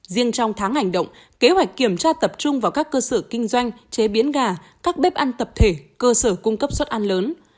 riêng trong tháng hành động kế hoạch kiểm tra tập trung vào các cơ sở kinh doanh chế biến gà các bếp ăn tập thể cơ sở cung cấp xuất ăn lớn